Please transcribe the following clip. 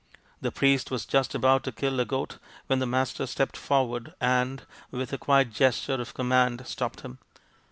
The priest was just about to kill a goat when the Master stepped forward THE PRINCE WONDERFUL 185 and, with a quiet gesture of command, stopped him.